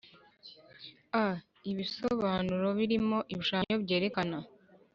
A Ibisobanuro Birimo Ibishushanyo Byerekana